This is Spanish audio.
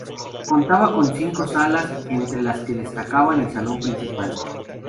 Contaba con cinco salas entre las que destacaba el salón principal.